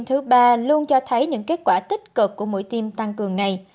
và hiệu quả của mũi tiêm thứ ba luôn cho thấy những kết quả tích cực của mũi tiêm tăng cường này